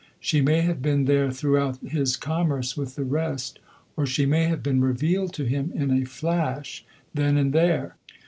She may have been there throughout his commerce with the rest, or she may have been revealed to him in a flash then and there.